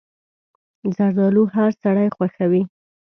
زردالو هر سړی خوښوي.